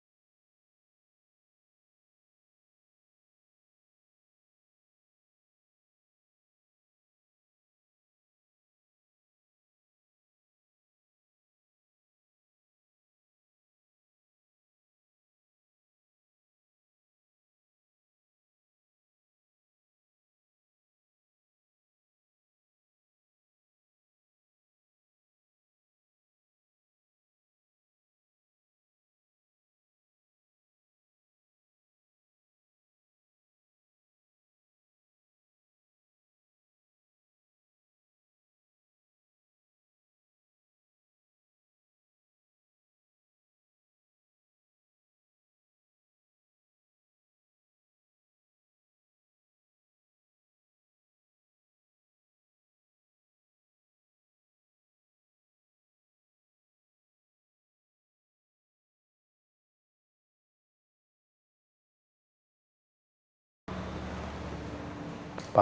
masih keluar sebentar ya pak